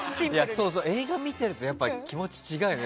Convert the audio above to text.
映画見てると気持ちが違うよね。